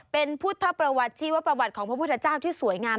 เป็นพุทธประวัติชีวประวัติของพระพุทธเจ้าที่สวยงาม